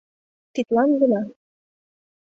— Тидлан гына.